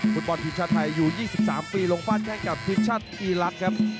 ฟุตบอร์นทีมชาตไทยอยู่๒๓ปีลงฟาดแก่งกับทีมชาติอีลักษณ์